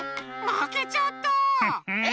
まけちゃった！